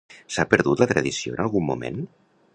S'ha perdut la tradició en algun moment?